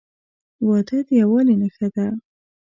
• واده د یووالي نښه ده.